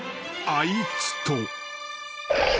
［あいつと］